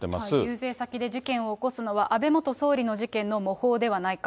遊説先で事件を起こすのは、安倍元総理の事件の模倣ではないか。